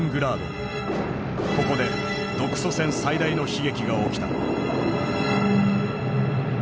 ここで独ソ戦最大の悲劇が起きた。